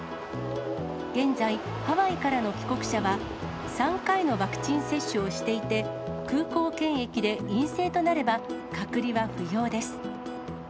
現在、ハワイからの帰国者は、３回のワクチン接種をしていて、空港検疫で陰性となれば、隔離は不要です。